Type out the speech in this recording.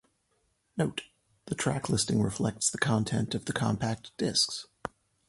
Note: The track listing reflects the content of the compact discs.